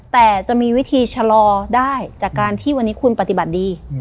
แต่จะมีวิธีชะลอได้จากการที่วันนี้คุณปฏิบัติดี